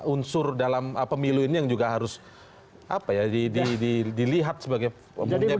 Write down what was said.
unsur dalam pemilu ini yang juga harus dilihat sebagai peran yang penting juga